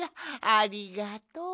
ありがとう。